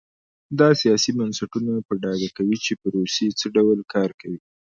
دا سیاسي بنسټونه په ډاګه کوي چې پروسې څه ډول کار کوي.